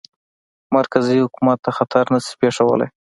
مرکزي حکومت ته خطر نه شي پېښولای.